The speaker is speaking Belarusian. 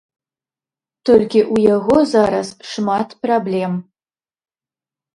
Толькі ў яго зараз шмат праблем.